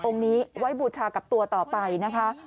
นี้ไว้บูชากับตัวต่อไปนะคะ